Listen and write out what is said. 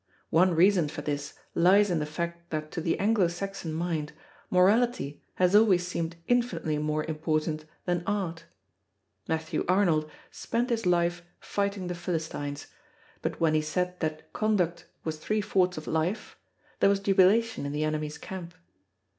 One reason for this lies in the fact that to the Anglo Saxon mind, Morality has always seemed infinitely more important than Art. Matthew Arnold spent his life fighting the Philistines; but when he said that conduct was three fourths of life, there was jubilation in the enemy's camp.